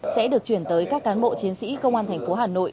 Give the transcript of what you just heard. sẽ được chuyển tới các cán bộ chiến sĩ công an thành phố hà nội